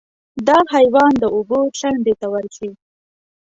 دا حیوان د اوبو څنډې ته ورځي.